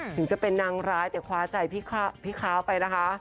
ถึงจะเป็นนางร้ายแต่คว้าใจพี่ค้าวไปนะคะ